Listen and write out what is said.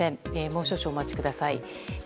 もう少々お待ちください。